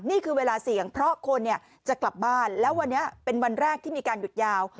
นี่คือเวลาเสี่ยงเพราะคนเนี่ยจะกลับบ้านแล้ววันนี้เป็นวันแรกที่มีการหยุดยาว